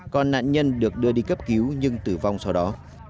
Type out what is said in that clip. còn nạn nhân được đưa đi cấp cứu nhưng tử vong sau đó